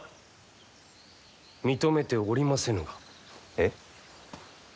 えっ。